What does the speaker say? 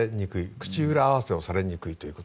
口裏合わせをされにくいということ。